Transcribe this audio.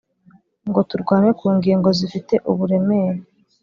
ngo turwane kungingo zifite uburemere